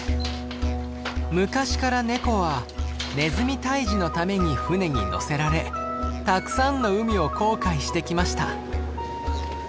昔からネコはネズミ退治のために船に乗せられたくさんの海を航海してきました。